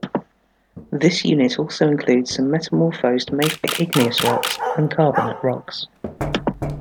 This unit also includes some metamorphosed mafic igneous rocks and carbonate rocks.